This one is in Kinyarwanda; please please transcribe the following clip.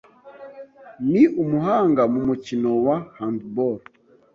Ni umuhanga mu mukino wa Handball.